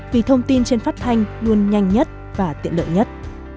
vì thông tin trên phát thanh luôn nhanh nhất và tiện lợi nhất